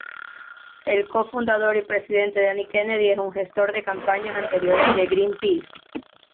El co-Fundador y presidente Danny Kennedy es un gestor de campañas anteriores de Greenpeace.